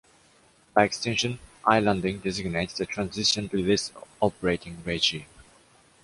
By extension, islanding designates the transition to this operating regime.